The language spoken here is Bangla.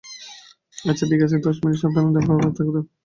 আচ্ছা ঠিক আছে - দশ মিনিট - সাবধান বাবা, সাবধানে থেকো।